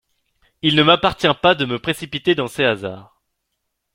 Il ne m'appartient pas de me précipiter dans ces hasards.